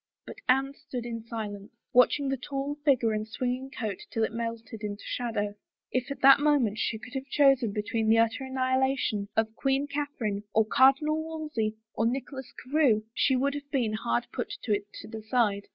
But Anne stood in silence, watching the tall figure and swinging coat till it melted into the shadow. If at that moment she could have chosen between the utter annihi lation of Queen Catherine or Cardinal Wolsey or Nicho las Carewe, she would have been hard put to it to decide.